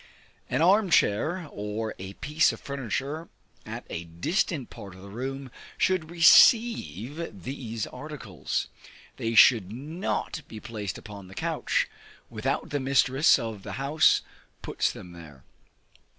An arm chair, or a piece of furniture at a distant part of the room should receive these articles; they should not be placed upon the couch, without the mistress of the house puts them there.